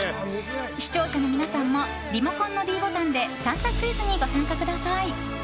視聴者の皆さんもリモコンのｄボタンで３択クイズにご参加ください。